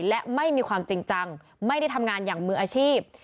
และไม่มีความจริงจังไม่ได้ทำงานอย่างมืออาชีพ